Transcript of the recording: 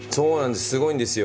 すごいんですよ。